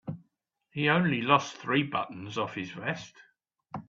He only lost three buttons off his vest.